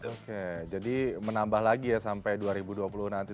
oke jadi menambah lagi ya sampai dua ribu dua puluh nanti